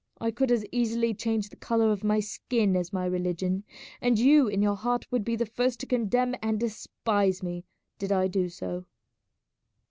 I could as easily change the colour of my skin as my religion, and you in your heart would be the first to condemn and despise me did I do so."